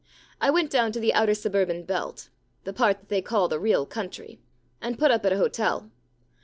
I went down to the outer suburban belt — the part that they call the real country — and put up at an hotel.